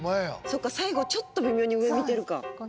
そっか最後ちょっと微妙に上見てるか。